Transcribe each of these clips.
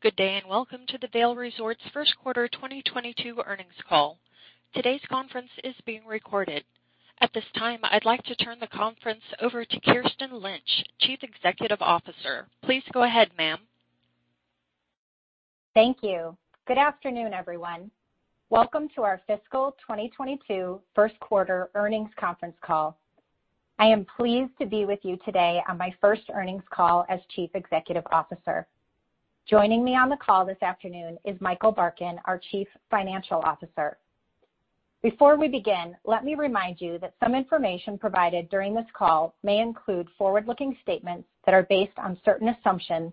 Good day, and welcome to the Vail Resorts First Quarter 2022 Earnings Call. Today's conference is being recorded. At this time, I'd like to turn the conference over to Kirsten Lynch, Chief Executive Officer. Please go ahead, ma'am. Thank you. Good afternoon, everyone. Welcome to our fiscal 2022 first quarter earnings conference call. I am pleased to be with you today on my first earnings call as Chief Executive Officer. Joining me on the call this afternoon is Michael Barkin, our Chief Financial Officer. Before we begin, let me remind you that some information provided during this call may include forward-looking statements that are based on certain assumptions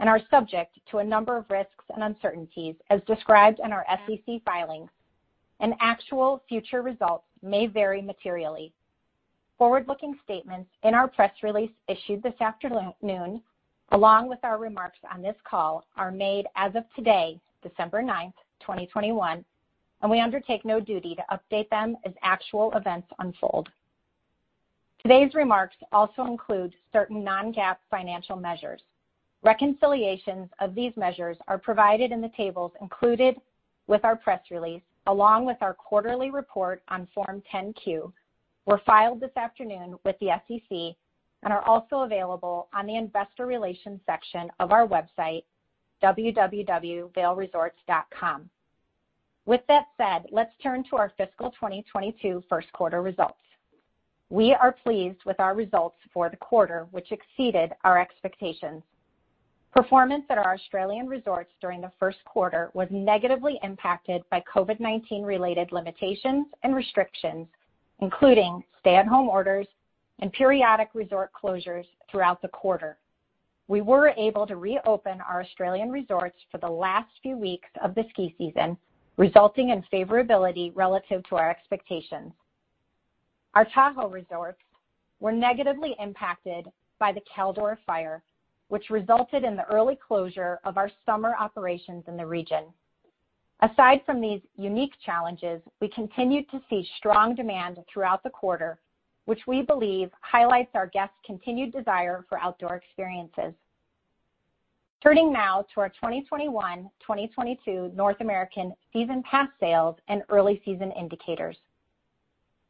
and are subject to a number of risks and uncertainties as described in our SEC filings, and actual future results may vary materially. Forward-looking statements in our press release issued this afternoon, along with our remarks on this call, are made as of today, December 9th, 2021, and we undertake no duty to update them as actual events unfold. Today's remarks also include certain non-GAAP financial measures. Reconciliations of these measures are provided in the tables included with our press release, along with our quarterly report on Form 10-Q, which were filed this afternoon with the SEC and are also available on the investor relations section of our website, www.vailresorts.com. With that said, let's turn to our fiscal 2022 first quarter results. We are pleased with our results for the quarter, which exceeded our expectations. Performance at our Australian resorts during the first quarter was negatively impacted by COVID-19 related limitations and restrictions, including stay-at-home orders and periodic resort closures throughout the quarter. We were able to reopen our Australian resorts for the last few weeks of the ski season, resulting in favorability relative to our expectations. Our Tahoe resorts were negatively impacted by the Caldor Fire, which resulted in the early closure of our summer operations in the region. Aside from these unique challenges, we continued to see strong demand throughout the quarter, which we believe highlights our guests' continued desire for outdoor experiences. Turning now to our 2021/2022 North American season pass sales and early season indicators.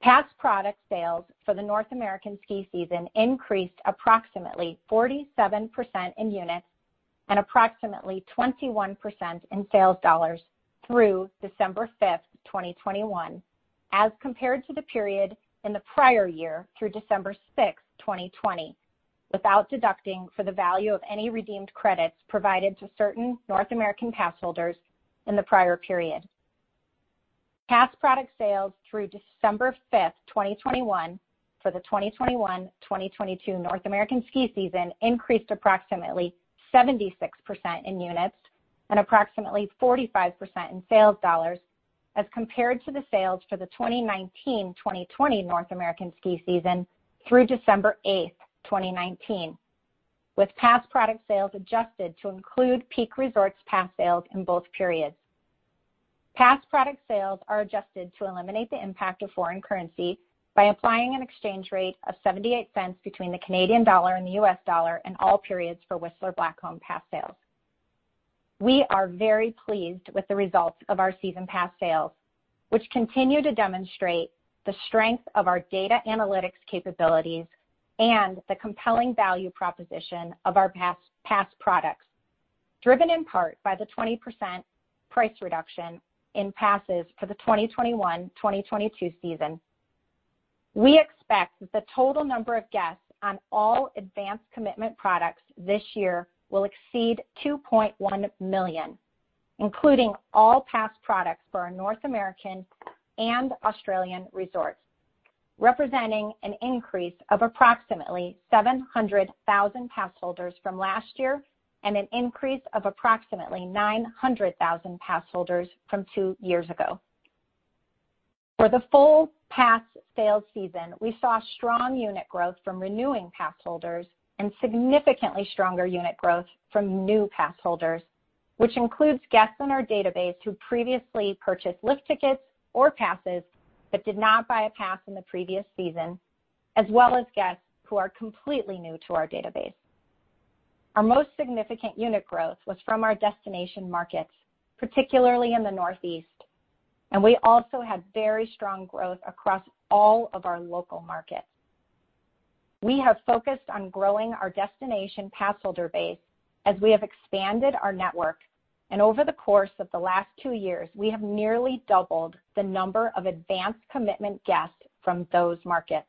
Pass product sales for the North American ski season increased approximately 47% in units and approximately 21% in sales dollars through December 5th, 2021, as compared to the period in the prior year through December 6th, 2020, without deducting for the value of any redeemed credits provided to certain North American passholders in the prior period. Pass product sales through December 5th, 2021, for the 2021/2022 North American ski season increased approximately 76% in units and approximately 45% in sales dollars as compared to the sales for the 2019/2020 North American ski season through December 8th, 2019, with pass product sales adjusted to include Peak Resorts pass sales in both periods. Pass product sales are adjusted to eliminate the impact of foreign currency by applying an exchange rate of 78 cents between the Canadian dollar and the U.S. dollar in all periods for Whistler Blackcomb pass sales. We are very pleased with the results of our season pass sales, which continue to demonstrate the strength of our data analytics capabilities and the compelling value proposition of our pass products, driven in part by the 20% price reduction in passes for the 2021/2022 season. We expect that the total number of guests on all advanced commitment products this year will exceed 2.1 million, including all pass products for our North American and Australian resorts, representing an increase of approximately 700,000 passholders from last year and an increase of approximately 900,000 passholders from two years ago. For the full pass sales season, we saw strong unit growth from renewing passholders and significantly stronger unit growth from new passholders, which includes guests in our database who previously purchased lift tickets or passes but did not buy a pass in the previous season, as well as guests who are completely new to our database. Our most significant unit growth was from our destination markets, particularly in the Northeast, and we also had very strong growth across all of our local markets. We have focused on growing our destination passholder base as we have expanded our network. Over the course of the last two years, we have nearly doubled the number of advanced commitment guests from those markets.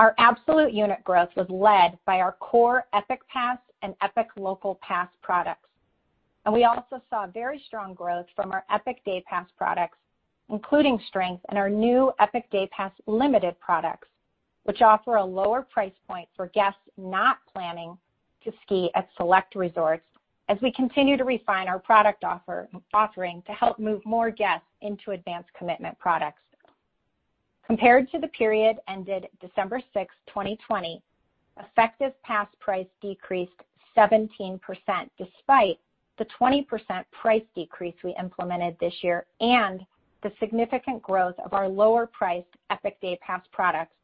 Our absolute unit growth was led by our core Epic Pass and Epic Local Pass products. We also saw very strong growth from our Epic Day Pass products, including strength in our new Epic Day Pass Limited products, which offer a lower price point for guests not planning to ski at select resorts as we continue to refine our product offer, offering to help move more guests into advanced commitment products. Compared to the period ended December 6th, 2020, effective pass price decreased 17% despite the 20% price decrease we implemented this year and the significant growth of our lower priced Epic Day Pass products,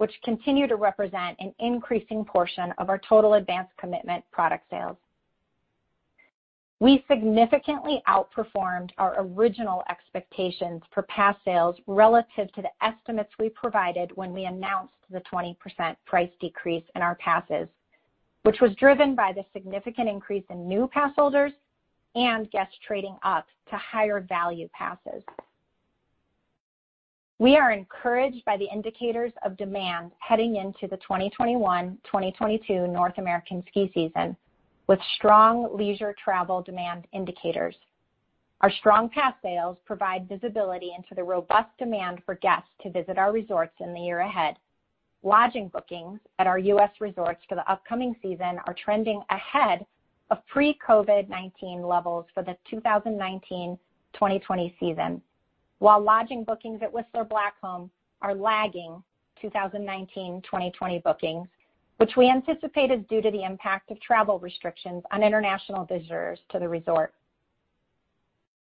which continue to represent an increasing portion of our total advance commitment product sales. We significantly outperformed our original expectations for pass sales relative to the estimates we provided when we announced the 20% price decrease in our passes, which was driven by the significant increase in new pass holders and guests trading up to higher value passes. We are encouraged by the indicators of demand heading into the 2021-2022 North American ski season with strong leisure travel demand indicators. Our strong pass sales provide visibility into the robust demand for guests to visit our resorts in the year ahead. Lodging bookings at our U.S. resorts for the upcoming season are trending ahead of pre-COVID-19 levels for the 2019-2020 season, while lodging bookings at Whistler Blackcomb are lagging 2019-2020 bookings, which we anticipated due to the impact of travel restrictions on international visitors to the resort.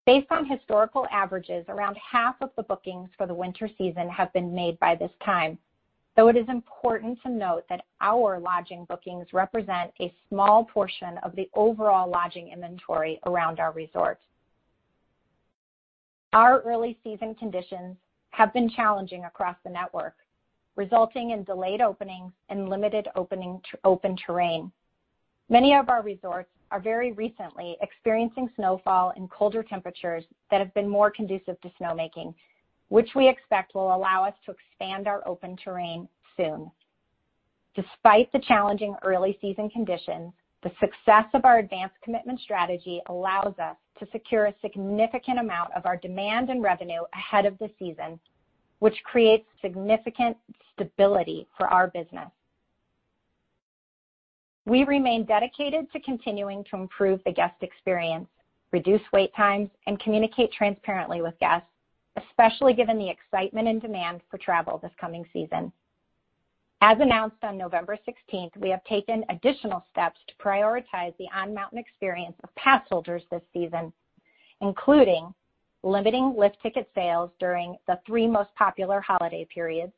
Based on historical averages, around 1/2 of the bookings for the winter season have been made by this time, though it is important to note that our lodging bookings represent a small portion of the overall lodging inventory around our resorts. Our early season conditions have been challenging across the network, resulting in delayed openings and limited open terrain. Many of our resorts are very recently experiencing snowfall and colder temperatures that have been more conducive to snowmaking, which we expect will allow us to expand our open terrain soon. Despite the challenging early season conditions, the success of our advance commitment strategy allows us to secure a significant amount of our demand and revenue ahead of the season, which creates significant stability for our business. We remain dedicated to continuing to improve the guest experience, reduce wait times, and communicate transparently with guests, especially given the excitement and demand for travel this coming season. As announced on November 16th, we have taken additional steps to prioritize the on-mountain experience of pass holders this season, including limiting lift ticket sales during the three most popular holiday periods,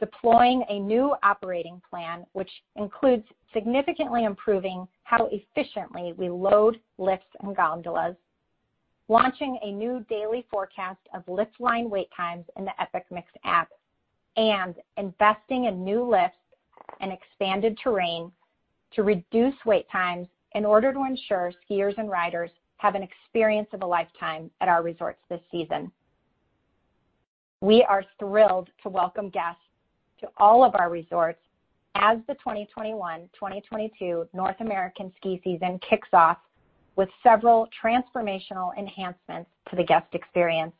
deploying a new operating plan, which includes significantly improving how efficiently we load lifts and gondolas, launching a new daily forecast of lift line wait times in the EpicMix app, and investing in new lifts and expanded terrain to reduce wait times in order to ensure skiers and riders have an experience of a lifetime at our resorts this season. We are thrilled to welcome guests to all of our resorts as the 2021-2022 North American ski season kicks off with several transformational enhancements to the guest experience.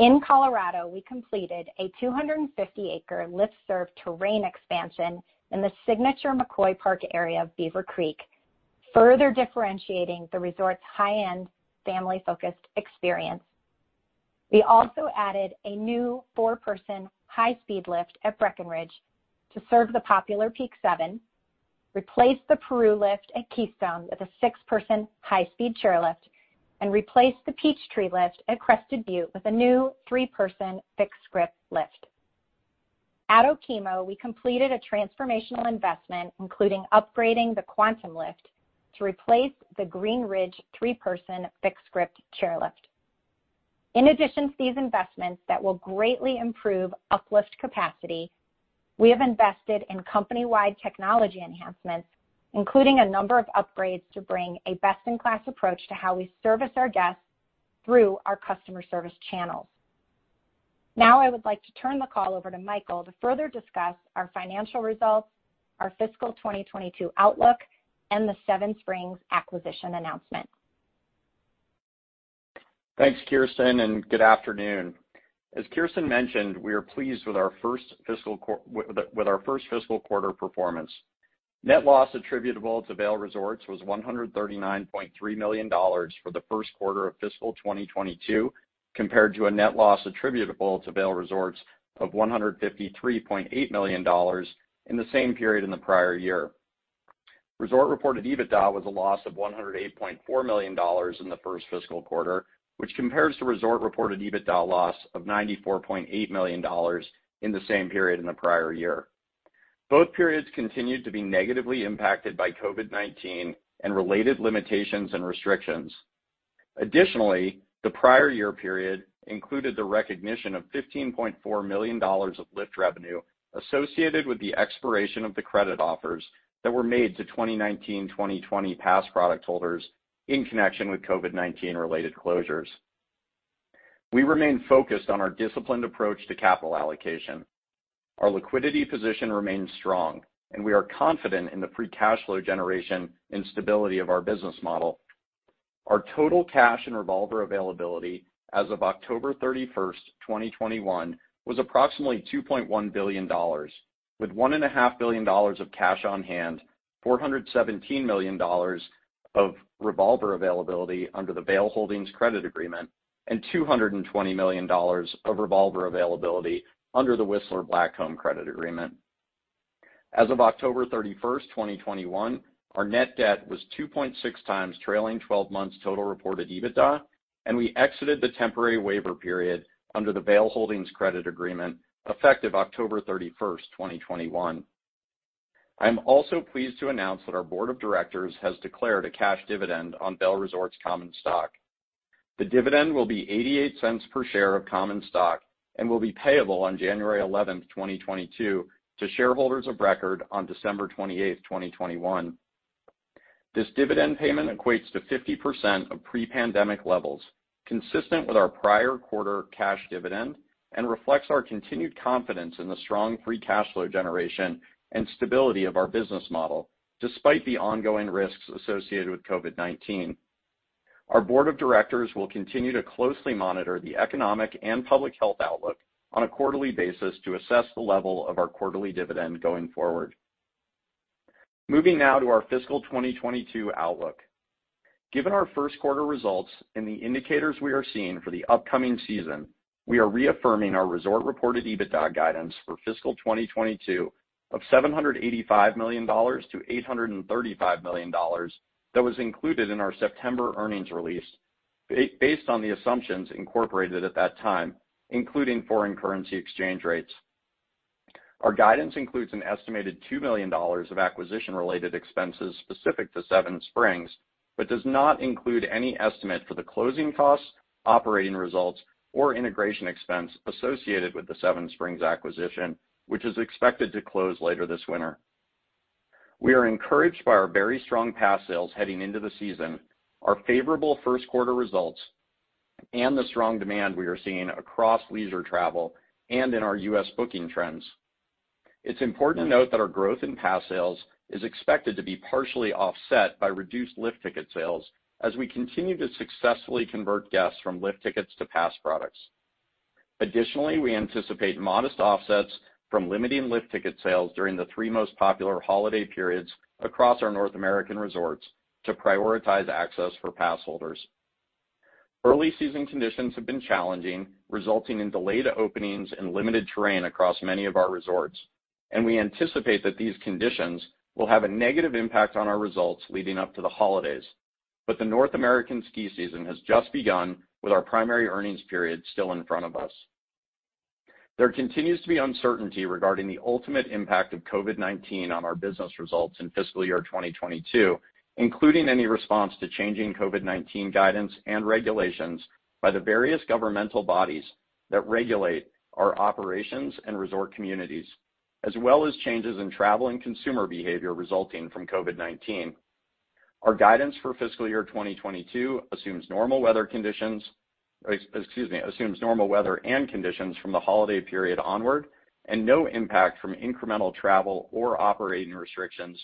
In Colorado, we completed a 250-acre lift-served terrain expansion in the signature McCoy Park area of Beaver Creek, further differentiating the resort's high-end, family-focused experience. We also added a new four-person high-speed lift at Breckenridge to serve the popular Peak 7, replaced the Peru Express at Keystone with a six-person high-speed chairlift, and replaced the Peachtree lift at Crested Butte with a new three-person fixed-grip lift. At Okemo, we completed a transformational investment, including upgrading the Quantum lift to replace the Green Ridge three-person fixed-grip chairlift. In addition to these investments that will greatly improve uplift capacity, we have invested in company-wide technology enhancements, including a number of upgrades to bring a best-in-class approach to how we service our guests through our customer service channels. Now I would like to turn the call over to Michael to further discuss our financial results, our fiscal 2022 outlook, and the Seven Springs acquisition announcement. Thanks, Kirsten, and good afternoon. As Kirsten mentioned, we are pleased with our first fiscal quarter performance. Net loss attributable to Vail Resorts was $139.3 million for the first quarter of fiscal 2022, compared to a net loss attributable to Vail Resorts of $153.8 million in the same period in the prior year. Resort-reported EBITDA was a loss of $108.4 million in the first fiscal quarter, which compares to resort-reported EBITDA loss of $94.8 million in the same period in the prior year. Both periods continued to be negatively impacted by COVID-19 and related limitations and restrictions. Additionally, the prior year period included the recognition of $15.4 million of lift revenue associated with the expiration of the credit offers that were made to 2019-2020 pass product holders in connection with COVID-19 related closures. We remain focused on our disciplined approach to capital allocation. Our liquidity position remains strong and we are confident in the free cash flow generation and stability of our business model. Our total cash and revolver availability as of October 31st, 2021 was approximately $2.1 billion, with $1.5 billion of cash on hand, $417 million of revolver availability under the Vail Holdings credit agreement, and $220 million of revolver availability under the Whistler Blackcomb credit agreement. As of October 31, 2021, our net debt was 2.6 times trailing 12 months total reported EBITDA, and we exited the temporary waiver period under the Vail Holdings credit agreement effective October 31st, 2021. I am also pleased to announce that our Board of Directors has declared a cash dividend on Vail Resorts common stock. The dividend will be $0.88 per share of common stock and will be payable on January 11th, 2022, to shareholders of record on December 28th, 2021. This dividend payment equates to 50% of pre-pandemic levels, consistent with our prior quarter cash dividend, and reflects our continued confidence in the strong free cash flow generation and stability of our business model, despite the ongoing risks associated with COVID-19. Our Board of Directors will continue to closely monitor the economic and public health outlook on a quarterly basis to assess the level of our quarterly dividend going forward. Moving now to our fiscal 2022 outlook. Given our first quarter results and the indicators we are seeing for the upcoming season, we are reaffirming our resort-reported EBITDA guidance for fiscal 2022 of $785 million-$835 million that was included in our September earnings release, based on the assumptions incorporated at that time, including foreign currency exchange rates. Our guidance includes an estimated $2 million of acquisition-related expenses specific to Seven Springs, but does not include any estimate for the closing costs, operating results, or integration expense associated with the Seven Springs acquisition, which is expected to close later this winter. We are encouraged by our very strong pass sales heading into the season, our favorable first quarter results, and the strong demand we are seeing across leisure travel and in our U.S. booking trends. It's important to note that our growth in pass sales is expected to be partially offset by reduced lift ticket sales as we continue to successfully convert guests from lift tickets to pass products. Additionally, we anticipate modest offsets from limiting lift ticket sales during the three most popular holiday periods across our North American resorts to prioritize access for pass holders. Early season conditions have been challenging, resulting in delayed openings and limited terrain across many of our resorts, and we anticipate that these conditions will have a negative impact on our results leading up to the holidays. The North American ski season has just begun, with our primary earnings period still in front of us. There continues to be uncertainty regarding the ultimate impact of COVID-19 on our business results in fiscal year 2022, including any response to changing COVID-19 guidance and regulations by the various governmental bodies that regulate our operations and resort communities, as well as changes in travel and consumer behavior resulting from COVID-19. Our guidance for fiscal year 2022 assumes normal weather and conditions from the holiday period onward and no impact from incremental travel or operating restrictions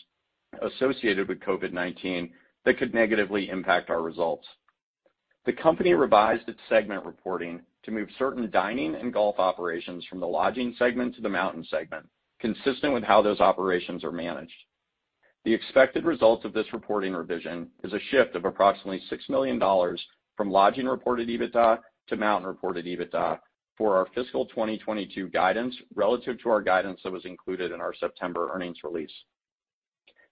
associated with COVID-19 that could negatively impact our results. The company revised its segment reporting to move certain dining and golf operations from the Lodging segment to the Mountain segment, consistent with how those operations are managed. The expected result of this reporting revision is a shift of approximately $6 million from Lodging-reported EBITDA to Mountain-reported EBITDA for our fiscal 2022 guidance relative to our guidance that was included in our September earnings release.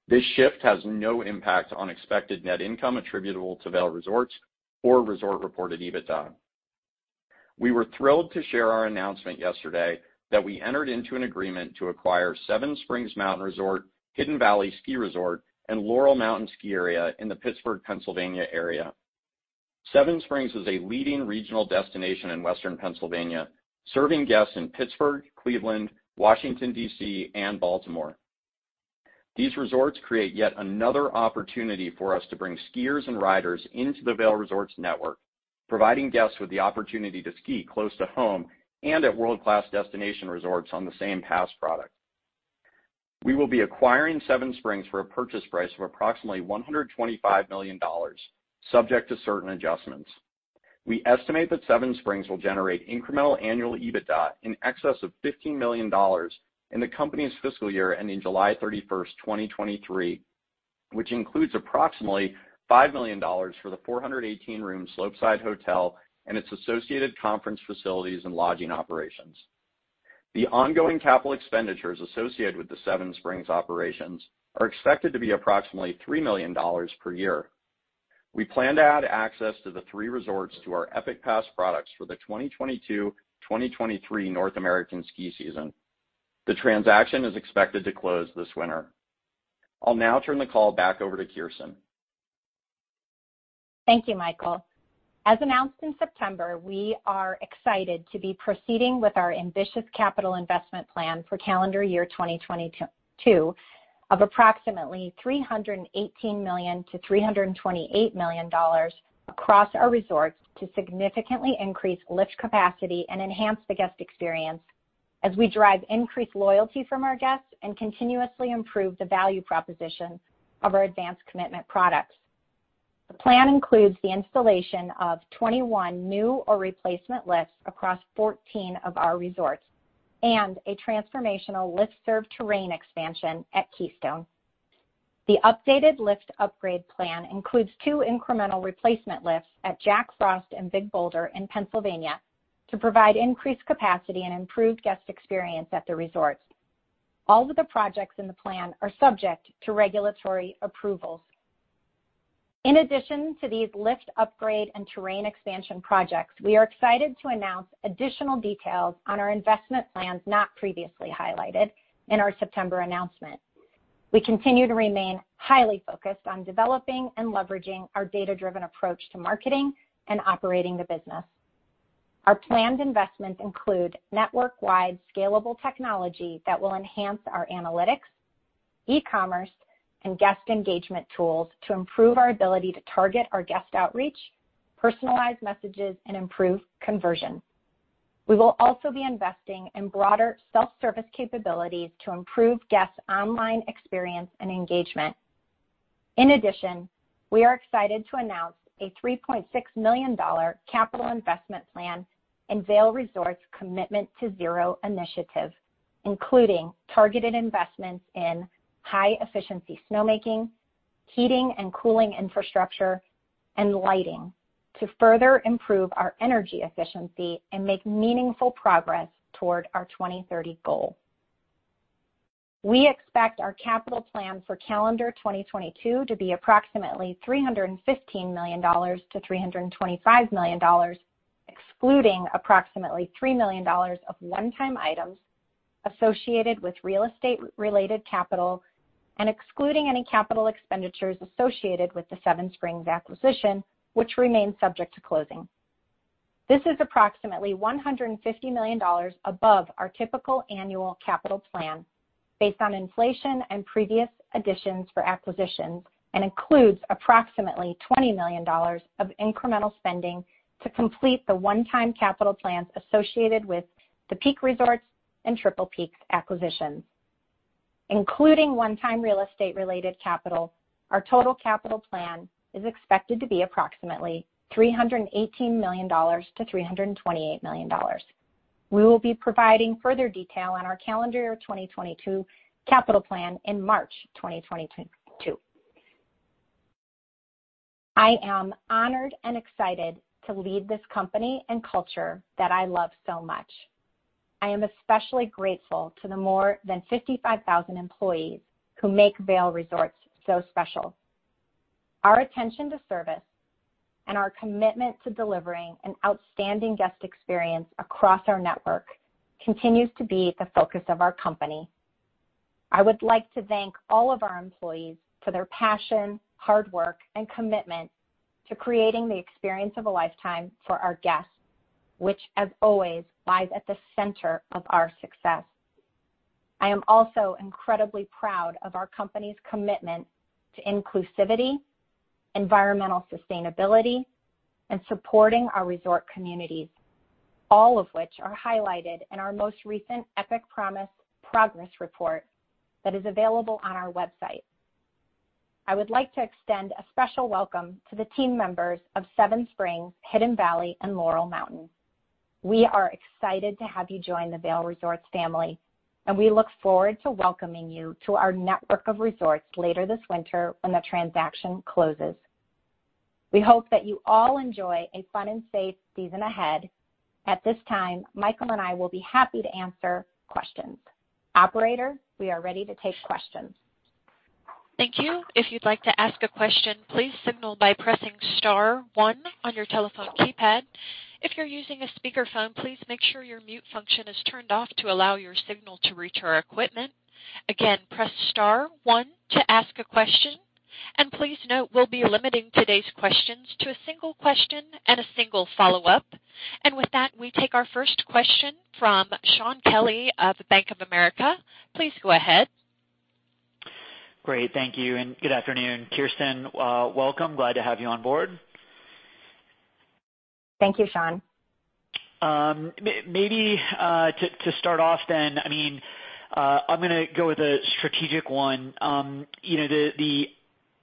This shift has no impact on expected net income attributable to Vail Resorts or resort-reported EBITDA. We were thrilled to share our announcement yesterday that we entered into an agreement to acquire Seven Springs Mountain Resort, Hidden Valley Ski Resort, and Laurel Mountain Ski Area in the Pittsburgh, Pennsylvania area. Seven Springs is a leading regional destination in Western Pennsylvania, serving guests in Pittsburgh, Cleveland, Washington, D.C., and Baltimore. These resorts create yet another opportunity for us to bring skiers and riders into the Vail Resorts network, providing guests with the opportunity to ski close to home and at world-class destination resorts on the same pass product. We will be acquiring Seven Springs for a purchase price of approximately $125 million, subject to certain adjustments. We estimate that Seven Springs will generate incremental annual EBITDA in excess of $15 million in the company's fiscal year ending July 31st, 2023, which includes approximately $5 million for the 418-room slopeside hotel and its associated conference facilities and lodging operations. The ongoing capital expenditures associated with the Seven Springs operations are expected to be approximately $3 million per year. We plan to add access to the three resorts to our Epic Pass products for the 2022-2023 North American ski season. The transaction is expected to close this winter. I'll now turn the call back over to Kirsten. Thank you, Michael. As announced in September, we are excited to be proceeding with our ambitious capital investment plan for calendar year 2022 of approximately $318 million-$328 million across our resorts to significantly increase lift capacity and enhance the guest experience as we drive increased loyalty from our guests and continuously improve the value proposition of our advanced commitment products. The plan includes the installation of 21 new or replacement lifts across 14 of our resorts and a transformational lift-serve terrain expansion at Keystone. The updated lift upgrade plan includes two incremental replacement lifts at Jack Frost and Big Boulder in Pennsylvania to provide increased capacity and improved guest experience at the resorts. All of the projects in the plan are subject to regulatory approvals. In addition to these lift upgrade and terrain expansion projects, we are excited to announce additional details on our investment plans not previously highlighted in our September announcement. We continue to remain highly focused on developing and leveraging our data-driven approach to marketing and operating the business. Our planned investments include network-wide scalable technology that will enhance our analytics, e-commerce, and guest engagement tools to improve our ability to target our guest outreach, personalize messages, and improve conversion. We will also be investing in broader self-service capabilities to improve guests' online experience and engagement. In addition, we are excited to announce a $3.6 million capital investment plan in Vail Resorts' Commitment to Zero initiative, including targeted investments in high efficiency snowmaking, heating and cooling infrastructure, and lighting to further improve our energy efficiency and make meaningful progress toward our 2030 goal. We expect our capital plan for calendar 2022 to be approximately $315 million-$325 million, excluding approximately $3 million of one-time items associated with real estate related capital and excluding any capital expenditures associated with the Seven Springs acquisition, which remains subject to closing. This is approximately $150 million above our typical annual capital plan based on inflation and previous additions for acquisitions and includes approximately $20 million of incremental spending to complete the one-time capital plans associated with the Peak Resorts and Triple Peaks acquisitions. Including one-time real estate related capital, our total capital plan is expected to be approximately $318 million-$328 million. We will be providing further detail on our calendar year 2022 capital plan in March 2022. I am honored and excited to lead this company and culture that I love so much. I am especially grateful to the more than 55,000 employees who make Vail Resorts so special. Our attention to service and our commitment to delivering an outstanding guest experience across our network continues to be the focus of our company. I would like to thank all of our employees for their passion, hard work, and commitment to creating the experience of a lifetime for our guests, which as always lies at the center of our success. I am also incredibly proud of our company's commitment to inclusivity, environmental sustainability, and supporting our resort communities, all of which are highlighted in our most recent EpicPromise progress report that is available on our website. I would like to extend a special welcome to the team members of Seven Springs, Hidden Valley, and Laurel Mountain. We are excited to have you join the Vail Resorts family, and we look forward to welcoming you to our network of resorts later this winter when the transaction closes. We hope that you all enjoy a fun and safe season ahead. At this time, Michael and I will be happy to answer questions. Operator, we are ready to take questions. Thank you. If you'd like to ask a question, please signal by pressing star one on your telephone keypad. If you're using a speakerphone, please make sure your mute function is turned off to allow your signal to reach our equipment. Again, press star one to ask a question. Please note we'll be limiting today's questions to a single question and a single follow-up. With that, we take our first question from Shaun Kelley of Bank of America. Please go ahead. Great. Thank you, and good afternoon. Kirsten, welcome. Glad to have you on board. Thank you, Shaun. Maybe to start off then, I mean, I'm gonna go with a strategic one. You know,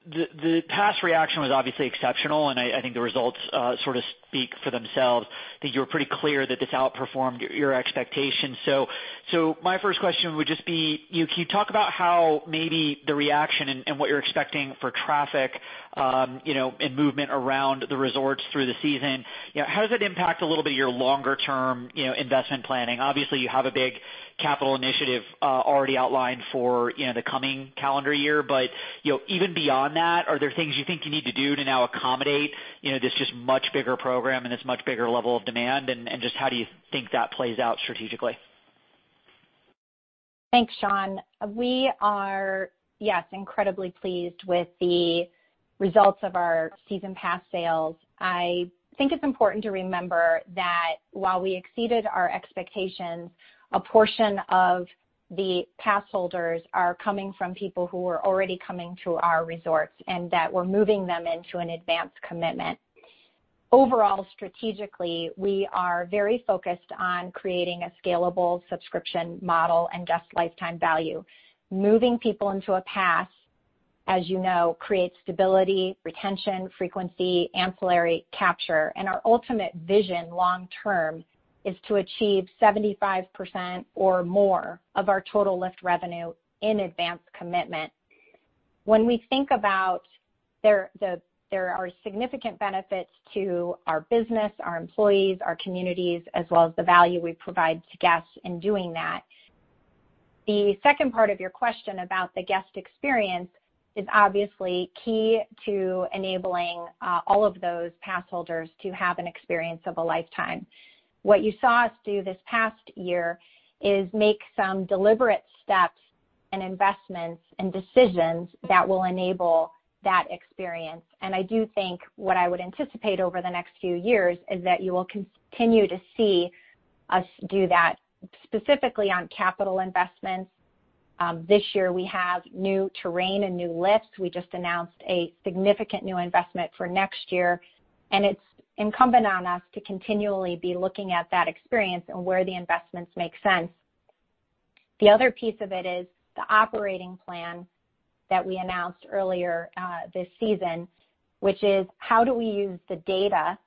the pass reaction was obviously exceptional, and I think the results sort of speak for themselves, that you're pretty clear that this outperformed your expectations. My first question would just be, can you talk about how maybe the reaction and what you're expecting for traffic, you know, and movement around the resorts through the season? You know, how does it impact a little bit of your longer term, you know, investment planning? Obviously, you have a big capital initiative already outlined for, you know, the coming calendar year. You know, even beyond that, are there things you think you need to do to now accommodate, you know, this just much bigger program and this much bigger level of demand? Just how do you think that plays out strategically? Thanks, Shaun. We are, yes, incredibly pleased with the results of our season pass sales. I think it's important to remember that while we exceeded our expectations, a portion of the pass holders are coming from people who were already coming to our resorts and that we're moving them into an advanced commitment. Overall, strategically, we are very focused on creating a scalable subscription model and guest lifetime value. Moving people into a pass, as you know, creates stability, retention, frequency, ancillary capture, and our ultimate vision long term is to achieve 75% or more of our total lift revenue in advance commitment. When we think about that, there are significant benefits to our business, our employees, our communities, as well as the value we provide to guests in doing that. The second part of your question about the guest experience is obviously key to enabling all of those pass holders to have an experience of a lifetime. What you saw us do this past year is make some deliberate steps and investments and decisions that will enable that experience. I do think what I would anticipate over the next few years is that you will continue to see us do that specifically on capital investments. This year, we have new terrain and new lifts. We just announced a significant new investment for next year, and it's incumbent on us to continually be looking at that experience and where the investments make sense. The other piece of it is the operating plan that we announced earlier this season, which is how do we use the data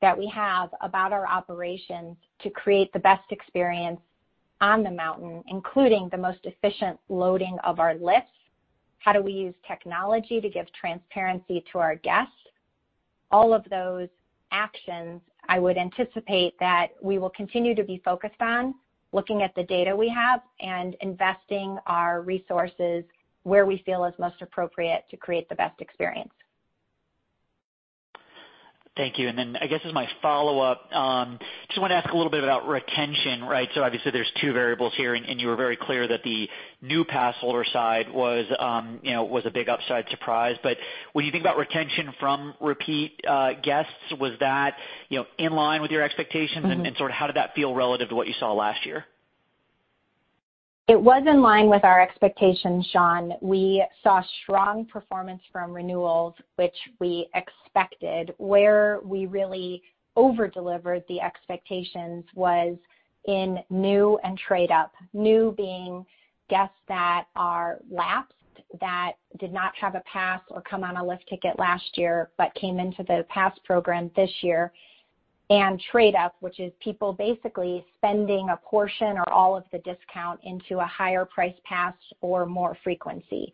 that we have about our operations to create the best experience on the mountain, including the most efficient loading of our lifts? How do we use technology to give transparency to our guests? All of those actions I would anticipate that we will continue to be focused on looking at the data we have and investing our resources where we feel is most appropriate to create the best experience. Thank you. I guess as my follow-up, just wanna ask a little bit about retention, right? So obviously, there's two variables here, and you were very clear that the new pass holder side was, you know, a big upside surprise. But when you think about retention from repeat guests, was that, you know, in line with your expectations? Mm-hmm. Sort of how did that feel relative to what you saw last year? It was in line with our expectations, Shaun. We saw strong performance from renewals, which we expected. Where we really over-delivered the expectations was in new and trade up. New being guests that are lapsed that did not have a pass or come on a lift ticket last year but came into the pass program this year, and trade up, which is people basically spending a portion or all of the discount into a higher price pass or more frequency.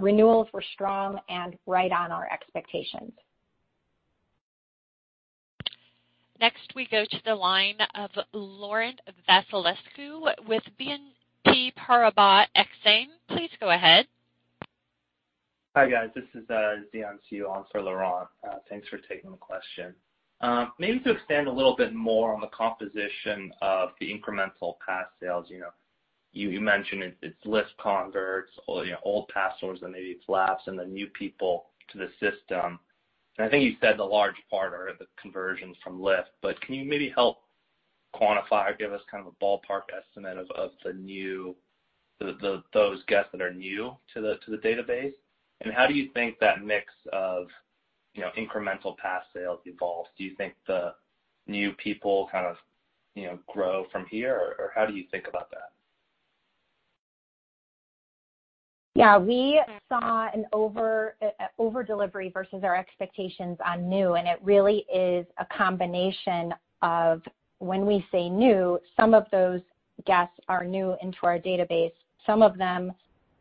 Renewals were strong and right on our expectations. Next, we go to the line of Laurent Vasilescu with BNP Paribas Exane. Please go ahead. Hi, guys. This is Xian Siew, on for Laurent. Thanks for taking the question. Maybe to expand a little bit more on the composition of the incremental pass sales. You know, you mentioned it's lift converts or, you know, old pass holders and maybe it's lapsed and then new people to the system. I think you said the large part are the conversions from lift. Can you maybe help quantify or give us kind of a ballpark estimate of those guests that are new to the database? And how do you think that mix of, you know, incremental pass sales evolves? Do you think the new people kind of, you know, grow from here or how do you think about that? Yeah. We saw an over delivery versus our expectations on new, and it really is a combination of when we say new, some of those guests are new into our database. Some of them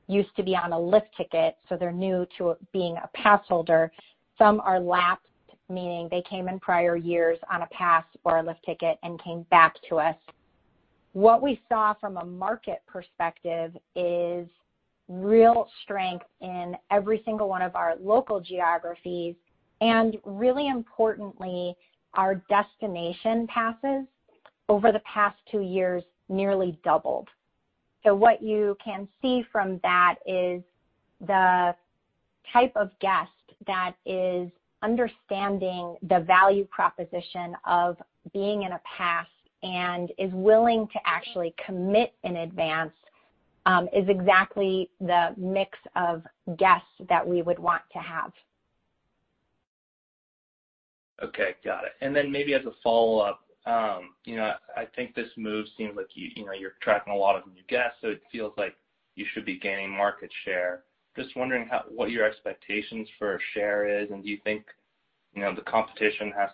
used to be on a lift ticket, so they're new to being a pass holder. Some are lapsed, meaning they came in prior years on a pass or a lift ticket and came back to us. What we saw from a market perspective is real strength in every single one of our local geographies, and really importantly, our destination passes over the past two years nearly doubled. So what you can see from that is the type of guest that is understanding the value proposition of being in a pass and is willing to actually commit in advance is exactly the mix of guests that we would want to have. Okay. Got it. Maybe as a follow-up, you know, I think this move seems like you know, you're attracting a lot of new guests, so it feels like you should be gaining market share. Just wondering what your expectations for share is, and do you think, you know, the competition has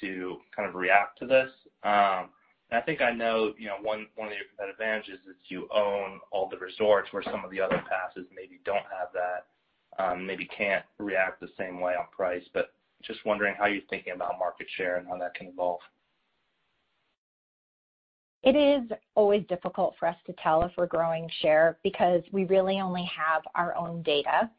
to kind of react to this? I think I know, you know, one of your advantages is you own all the resorts where some of the other passes maybe don't have that, maybe can't react the same way on price. Just wondering how you're thinking about market share and how that can evolve. It is always difficult for us to tell if we're growing share because we really only have our own data.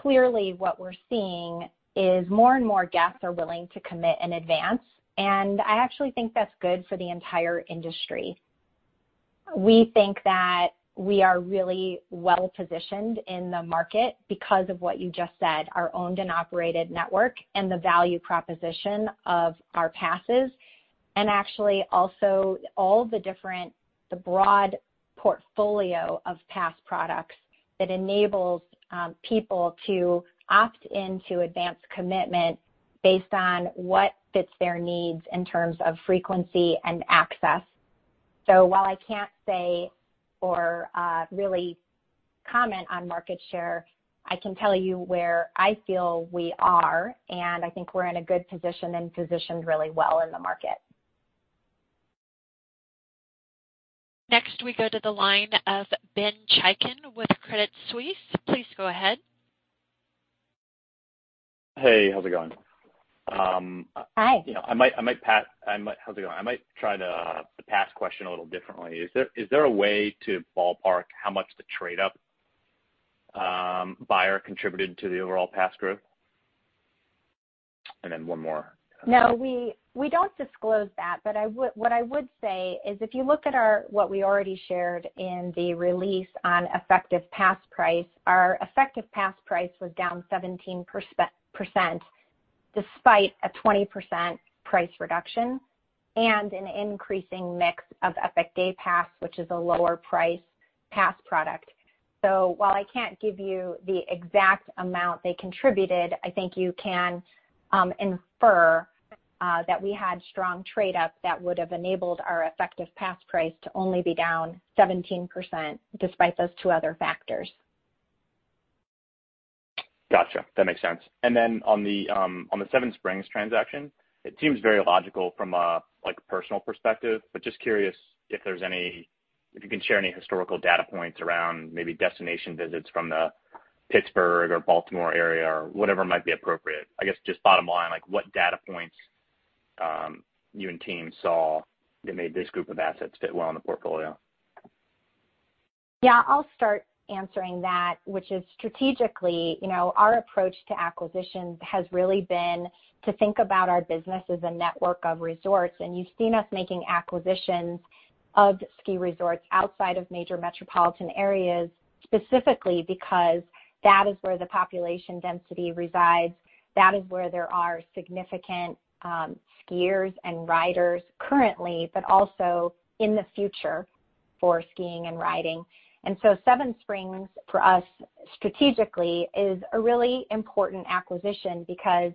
Clearly, what we're seeing is more and more guests are willing to commit in advance, and I actually think that's good for the entire industry. We think that we are really well positioned in the market because of what you just said, our owned and operated network and the value proposition of our passes. Actually also all the different, the broad portfolio of pass products that enables people to opt into advanced commitment based on what fits their needs in terms of frequency and access. While I can't say or really comment on market share, I can tell you where I feel we are, and I think we're in a good position and positioned really well in the market. Next, we go to the line of Ben Chaiken with Credit Suisse. Please go ahead. Hey, how's it going? Hi. You know, How's it going? I might try to phrase the question a little differently. Is there a way to ballpark how much the trade-up buyer contributed to the overall pass growth? One more, No, we don't disclose that. What I would say is, if you look at what we already shared in the release on effective pass price, our effective pass price was down 17% despite a 20% price reduction and an increasing mix of Epic Day Pass, which is a lower price pass product. While I can't give you the exact amount they contributed, I think you can infer that we had strong trade up that would have enabled our effective pass price to only be down 17% despite those two other factors. Gotcha. That makes sense. On the Seven Springs transaction, it seems very logical from a, like, personal perspective, but just curious if you can share any historical data points around maybe destination visits from the Pittsburgh or Baltimore area or whatever might be appropriate. I guess just bottom line, like, what data points you and team saw that made this group of assets fit well in the portfolio? Yeah. I'll start answering that, which is strategically, you know, our approach to acquisition has really been to think about our business as a network of resorts. You've seen us making acquisitions of ski resorts outside of major metropolitan areas, specifically because that is where the population density resides. That is where there are significant skiers and riders currently, but also in the future for skiing and riding. Seven Springs, for us strategically, is a really important acquisition because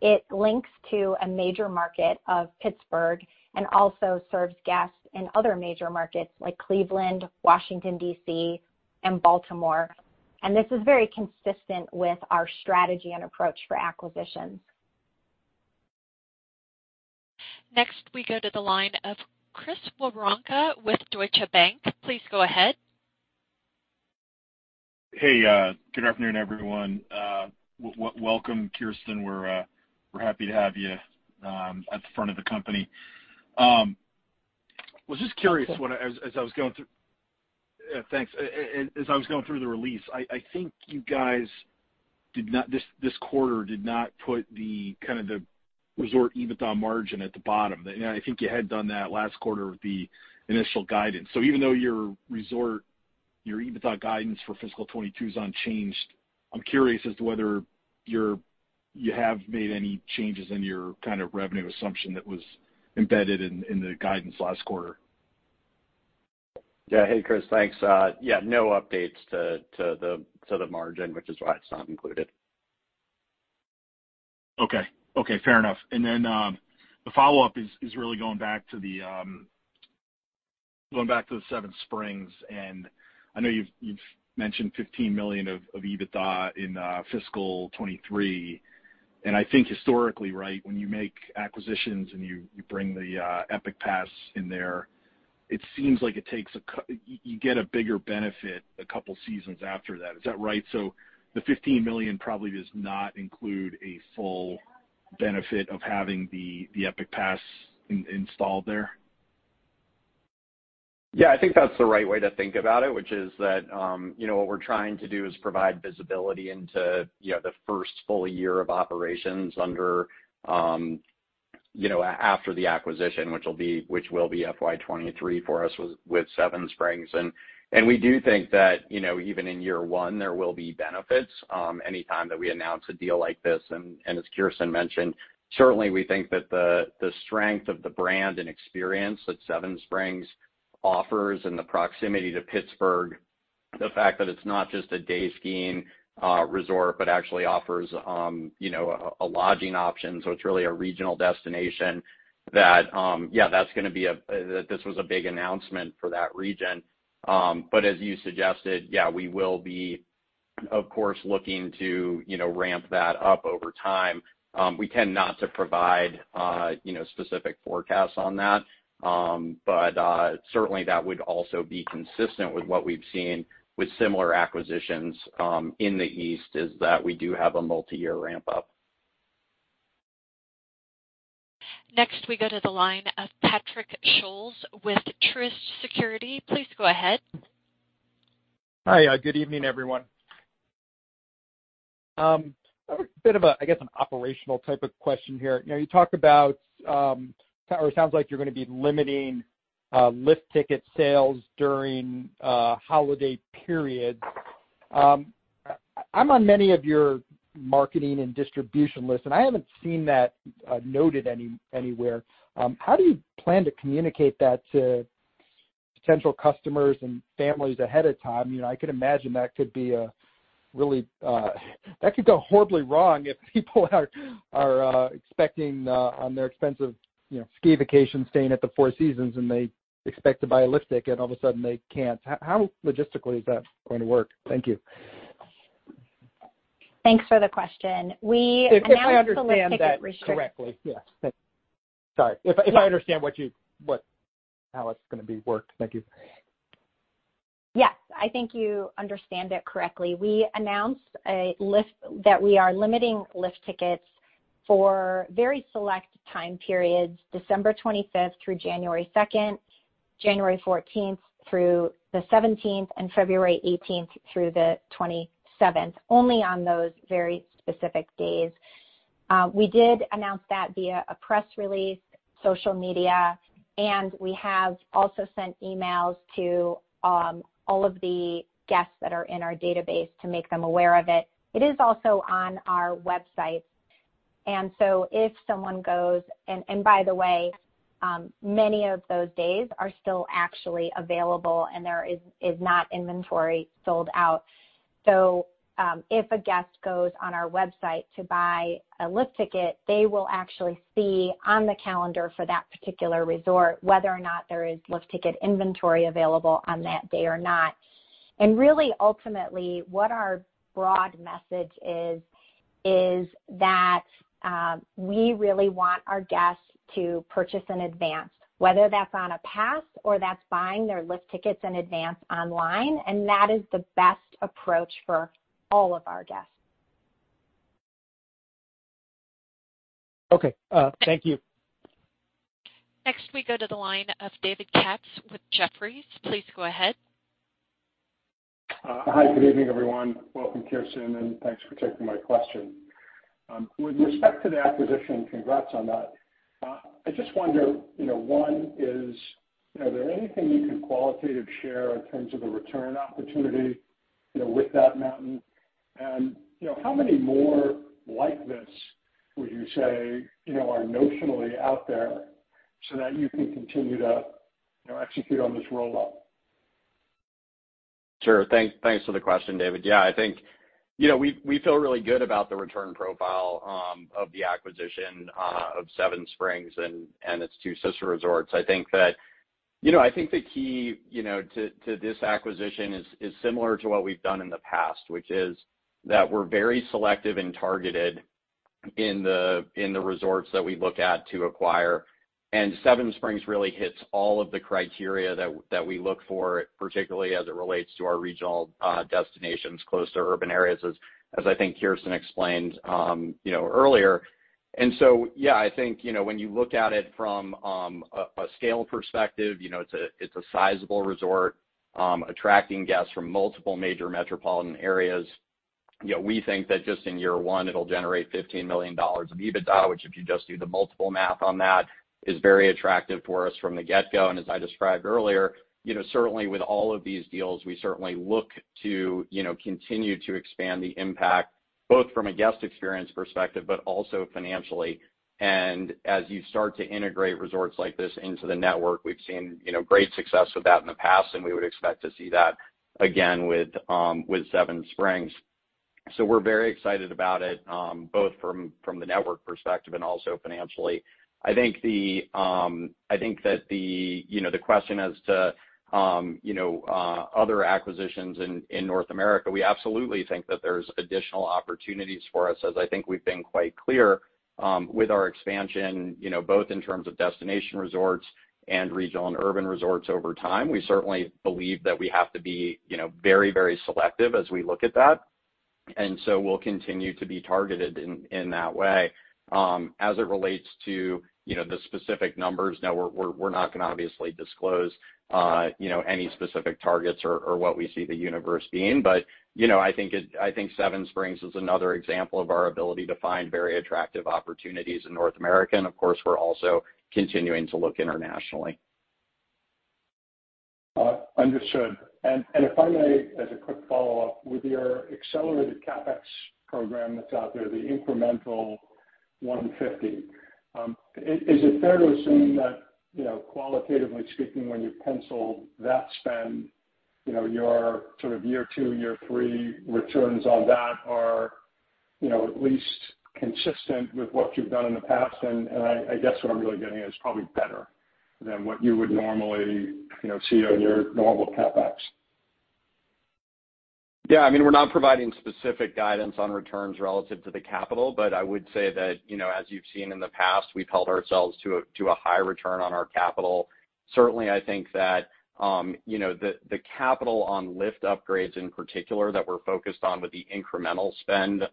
it links to a major market of Pittsburgh and also serves guests in other major markets like Cleveland, Washington, D.C., and Baltimore. This is very consistent with our strategy and approach for acquisitions. Next, we go to the line of Chris Woronka with Deutsche Bank. Please go ahead. Hey, good afternoon, everyone. We welcome Kirsten. We're happy to have you at the front of the company. I was just curious as I was going through. Thanks. As I was going through the release, I think you guys did not put the kind of the resort EBITDA margin at the bottom this quarter. I think you had done that last quarter with the initial guidance. Even though your resort EBITDA guidance for fiscal 2022 is unchanged, I'm curious as to whether you have made any changes in your kind of revenue assumption that was embedded in the guidance last quarter. Yeah. Hey, Chris. Thanks. Yeah, no updates to the margin, which is why it's not included. Okay. Okay, fair enough. The follow-up is really going back to the Seven Springs. I know you've mentioned $15 million of EBITDA in fiscal 2023. I think historically, right, when you make acquisitions and you bring the Epic Pass in there, it seems like you get a bigger benefit a couple seasons after that. Is that right? The $15 million probably does not include a full benefit of having the Epic Pass installed there. Yeah, I think that's the right way to think about it, which is that, you know, what we're trying to do is provide visibility into, you know, the first full year of operations under, you know, after the acquisition, which will be FY 2023 for us with Seven Springs. We do think that, you know, even in year one, there will be benefits any time that we announce a deal like this. As Kirsten mentioned, certainly we think that the strength of the brand and experience that Seven Springs offers and the proximity to Pittsburgh, the fact that it's not just a day skiing resort, but actually offers, you know, a lodging option, so it's really a regional destination. Yeah, that's going to be a big announcement for that region. As you suggested, yeah, we will be, of course, looking to, you know, ramp that up over time. We tend not to provide, you know, specific forecasts on that. Certainly that would also be consistent with what we've seen with similar acquisitions, in the East, is that we do have a multiyear ramp up. Next, we go to the line of Patrick Scholes with Truist Securities. Please go ahead. Hi. Good evening, everyone. A bit of a, I guess, an operational type of question here. You know, you talked about, or it sounds like you're gonna be limiting, lift ticket sales during, holiday periods. I'm on many of your marketing and distribution lists, and I haven't seen that, noted anywhere. How do you plan to communicate that to potential customers and families ahead of time? You know, I could imagine that could be a really, that could go horribly wrong if people are expecting, on their expensive, you know, ski vacation, staying at the Four Seasons, and they expect to buy a lift ticket and all of a sudden they can't. How logistically is that going to work? Thank you. Thanks for the question. We announced the lift ticket restrict- If I understand that correctly. Yes. Thank you. Sorry, if I understand how it's gonna be worked. Thank you. Yes, I think you understand it correctly. We announced that we are limiting lift tickets for very select time periods, December 25th through January 2nd, January 14th through the 17th, and February 18th through the 27th, only on those very specific days. We did announce that via a press release, social media, and we have also sent emails to all of the guests that are in our database to make them aware of it. It is also on our website. By the way, many of those days are still actually available, and there is not inventory sold out. If a guest goes on our website to buy a lift ticket, they will actually see on the calendar for that particular resort whether or not there is lift ticket inventory available on that day or not. Really ultimately, what our broad message is that we really want our guests to purchase in advance, whether that's on a pass or that's buying their lift tickets in advance online, and that is the best approach for all of our guests. Okay. Thank you. Next, we go to the line of David Katz with Jefferies. Please go ahead. Hi. Good evening, everyone. Welcome, Kirsten, and thanks for taking my question. With respect to the acquisition, congrats on that. I just wonder, you know, one is, you know, is there anything you can qualitatively share in terms of the return opportunity, you know, with that mountain? You know, how many more like this would you say, you know, are notionally out there so that you can continue to, you know, execute on this rollout? Sure. Thanks for the question, David. Yeah, I think, you know, we feel really good about the return profile of the acquisition of Seven Springs and its two sister resorts. I think that you know, I think the key, you know, to this acquisition is similar to what we've done in the past, which is that we're very selective and targeted in the resorts that we look at to acquire. Seven Springs really hits all of the criteria that we look for, particularly as it relates to our regional destinations close to urban areas, as I think Kirsten explained, you know, earlier. Yeah, I think, you know, when you look at it from a scale perspective, you know, it's a sizable resort attracting guests from multiple major metropolitan areas. You know, we think that just in year one, it'll generate $15 million of EBITDA, which if you just do the multiple math on that, is very attractive for us from the get-go. As I described earlier, you know, certainly with all of these deals, we certainly look to, you know, continue to expand the impact, both from a guest experience perspective, but also financially. As you start to integrate resorts like this into the network, we've seen, you know, great success with that in the past, and we would expect to see that again with Seven Springs. We're very excited about it, both from the network perspective and also financially. I think that the, you know, the question as to, you know, other acquisitions in North America, we absolutely think that there's additional opportunities for us, as I think we've been quite clear with our expansion, you know, both in terms of destination resorts and regional and urban resorts over time. We certainly believe that we have to be, you know, very selective as we look at that. We'll continue to be targeted in that way. As it relates to, you know, the specific numbers, now we're not gonna obviously disclose, you know, any specific targets or what we see the universe being. I think Seven Springs is another example of our ability to find very attractive opportunities in North America. Of course, we're also continuing to look internationally. Understood. If I may, as a quick follow-up, with your accelerated CapEx program that's out there, the incremental $150, is it fair to assume that, you know, qualitatively speaking, when you pencil that spend, you know, your sort of year two, year three returns on that are, you know, at least consistent with what you've done in the past? I guess what I'm really getting at is probably better than what you would normally, you know, see on your normal CapEx. Yeah, I mean, we're not providing specific guidance on returns relative to the capital, but I would say that, you know, as you've seen in the past, we've held ourselves to a high return on our capital. Certainly, I think that, you know, the capital on lift upgrades in particular that we're focused on with the incremental spend,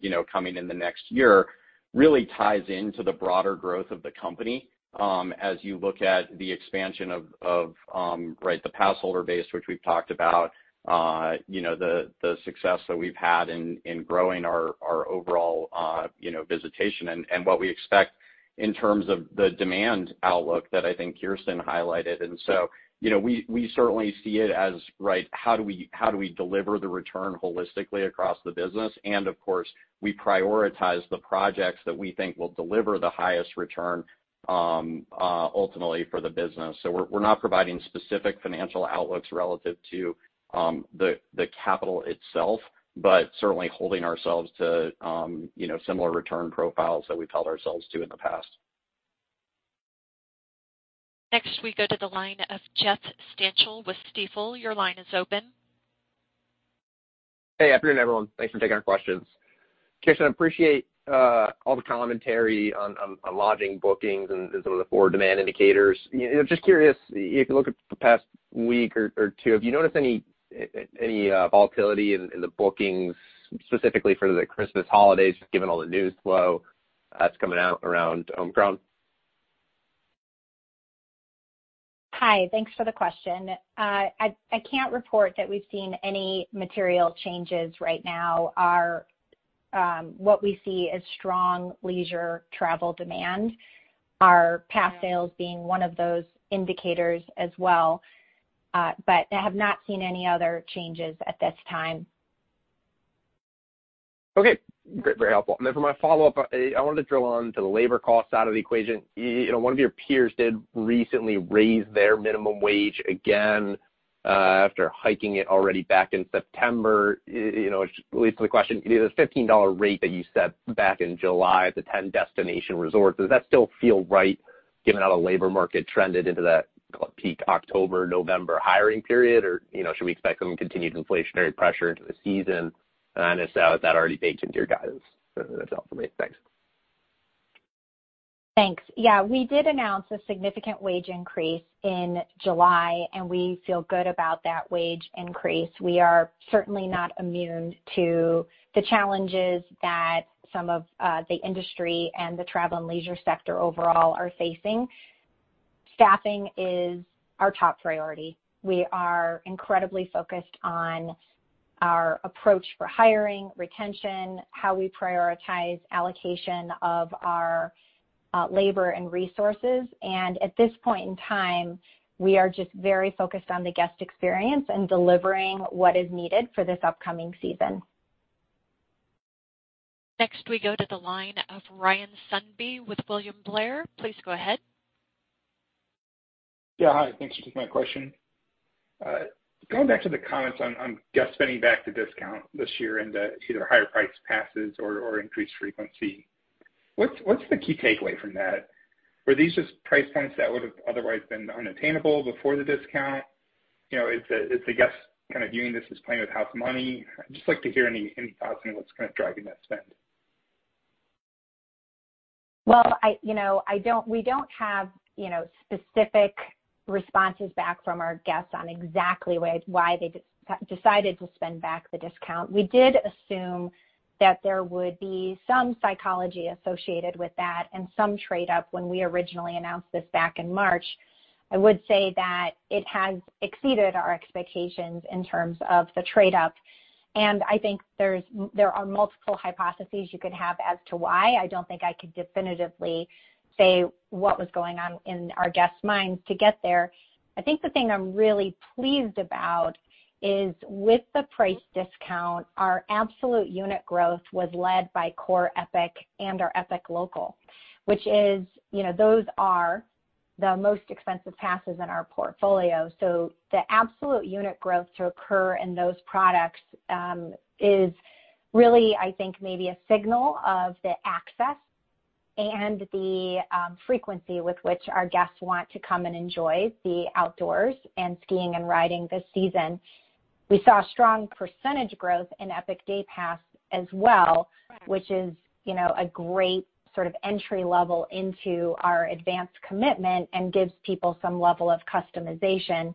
you know, coming in the next year really ties into the broader growth of the company, as you look at the expansion of the pass holder base, which we've talked about, you know, the success that we've had in growing our overall visitation and what we expect in terms of the demand outlook that I think Kirsten highlighted. You know, we certainly see it as, right, how do we deliver the return holistically across the business? Of course, we prioritize the projects that we think will deliver the highest return ultimately for the business. We're not providing specific financial outlooks relative to the capital itself, but certainly holding ourselves to, you know, similar return profiles that we've held ourselves to in the past. Next we go to the line of Jeffrey Stantial with Stifel. Your line is open. Hey, afternoon, everyone. Thanks for taking our questions. Kirsten, I appreciate all the commentary on lodging bookings and some of the forward demand indicators. You know, just curious, if you look at the past week or two, have you noticed any volatility in the bookings specifically for the Christmas holidays, given all the news flow that's coming out around Omicron? Hi, thanks for the question. I can't report that we've seen any material changes right now. What we see is strong leisure travel demand, our pass sales being one of those indicators as well. But I have not seen any other changes at this time. Okay, great. Very helpful. For my follow-up, I wanted to drill on to the labor cost side of the equation. You know, one of your peers did recently raise their minimum wage again after hiking it already back in September. You know, which leads to the question, you know, the $15 rate that you set back in July at the 10 destination resorts, does that still feel right given how the labor market trended into that peak October, November hiring period? Or, you know, should we expect some continued inflationary pressure into the season? Honestly, is that already baked into your guidance? That's all for me. Thanks. Thanks. Yeah, we did announce a significant wage increase in July, and we feel good about that wage increase. We are certainly not immune to the challenges that some of the industry and the travel and leisure sector overall are facing. Staffing is our top priority. We are incredibly focused on our approach for hiring, retention, how we prioritize allocation of our labor and resources. At this point in time, we are just very focused on the guest experience and delivering what is needed for this upcoming season. Next, we go to the line of Ryan Sundby with William Blair. Please go ahead. Yeah, hi. Thanks for taking my question. Going back to the comments on guest spending back to discount this year and either higher priced passes or increased frequency, what's the key takeaway from that? Were these just price points that would've otherwise been unattainable before the discount? You know, is the guest kinda viewing this as playing with house money? I'd just like to hear any thoughts on what's kinda driving that spend. Well, you know, we don't have, you know, specific responses back from our guests on exactly why they decided to spend back the discount. We did assume that there would be some psychology associated with that and some trade up when we originally announced this back in March. I would say that it has exceeded our expectations in terms of the trade up, and I think there are multiple hypotheses you could have as to why. I don't think I could definitively say what was going on in our guests' minds to get there. I think the thing I'm really pleased about is with the price discount, our absolute unit growth was led by core Epic and our Epic Local, which is, you know, those are the most expensive passes in our portfolio. The absolute unit growth to occur in those products is really, I think, maybe a signal of the access and the frequency with which our guests want to come and enjoy the outdoors and skiing and riding this season. We saw strong percentage growth in Epic Day Pass as well, which is, you know, a great sort of entry level into our advanced commitment and gives people some level of customization.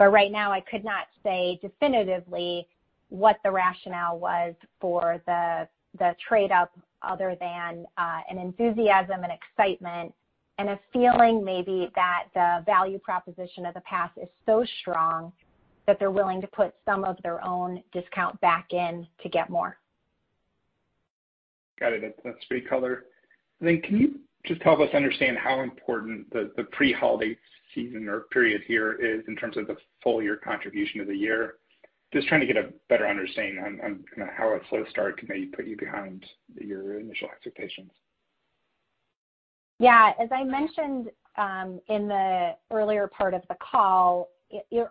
Right now, I could not say definitively what the rationale was for the trade up other than an enthusiasm and excitement and a feeling maybe that the value proposition of the pass is so strong that they're willing to put some of their own discount back in to get more. Got it. That's great color. Then, can you just help us understand how important the pre-holiday season or period here is in terms of the full year contribution of the year? Just trying to get a better understanding on, you know, how a slow start can maybe put you behind your initial expectations. Yeah. As I mentioned, in the earlier part of the call,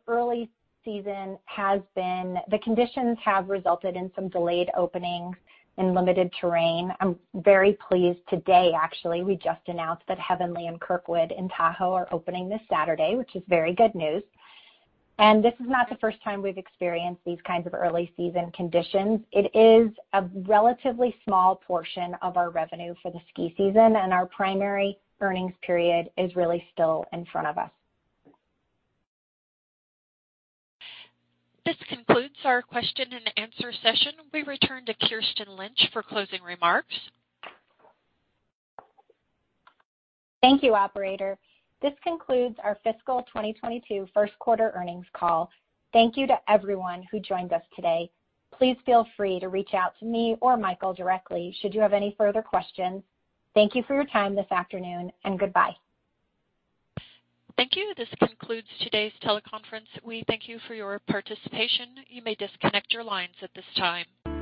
early season has been. The conditions have resulted in some delayed openings and limited terrain. I'm very pleased today, actually, we just announced that Heavenly and Kirkwood in Tahoe are opening this Saturday, which is very good news. This is not the first time we've experienced these kinds of early season conditions. It is a relatively small portion of our revenue for the ski season, and our primary earnings period is really still in front of us. This concludes our question and answer session. We return to Kirsten Lynch for closing remarks. Thank you, operator. This concludes our Fiscal 2022 First Quarter Earnings Call. Thank you to everyone who joined us today. Please feel free to reach out to me or Michael directly should you have any further questions. Thank you for your time this afternoon, and goodbye. Thank you. This concludes today's teleconference. We thank you for your participation. You may disconnect your lines at this time.